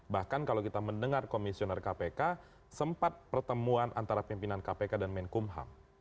bahkan kalau kita mendengar komisioner kpk sempat pertemuan antara pimpinan kpk dan menkumham